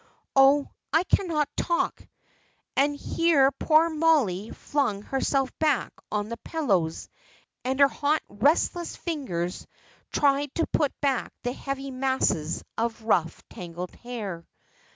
Oh, I cannot talk;" and here poor Mollie flung herself back on the pillows, and her hot, restless fingers tried to put back the heavy masses of rough tangled hair.